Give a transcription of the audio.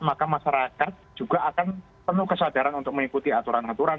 maka masyarakat juga akan penuh kesadaran untuk mengikuti aturan aturan